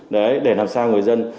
để làm sao người dân